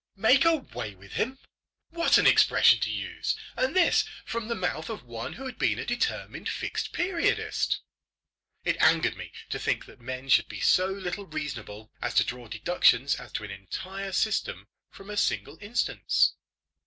Make away with him! What an expression to use, and this from the mouth of one who had been a determined Fixed Periodist! It angered me to think that men should be so little reasonable as to draw deductions as to an entire system from a single instance.